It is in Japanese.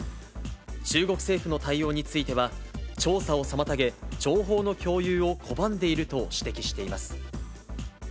中国政府の対応については、調査を妨げ、情報の共有を拒んでいると指摘しています。